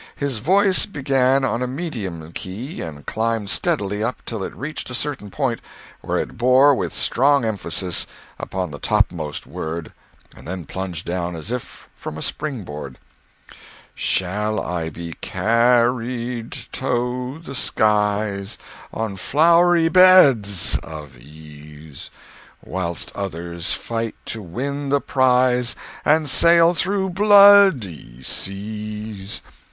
His voice began on a medium key and climbed steadily up till it reached a certain point, where it bore with strong emphasis upon the topmost word and then plunged down as if from a spring board: Shall I be car ri ed toe the skies, on flow'ry beds of ease, Whilst others fight to win the prize, and sail thro' blood y seas?